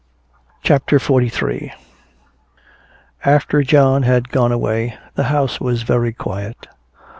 CHAPTER XLIII After John had gone away the house was very quiet.